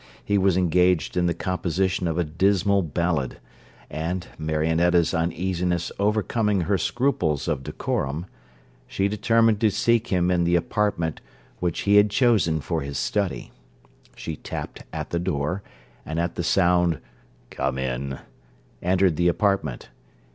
He was engaged in the composition of a dismal ballad; and, Marionetta's uneasiness overcoming her scruples of decorum, she determined to seek him in the apartment which he had chosen for his study. She tapped at the door, and at the sound 'Come in,' entered the apartment.